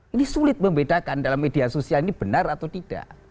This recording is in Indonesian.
ini sulit membedakan dalam media sosial ini benar atau tidak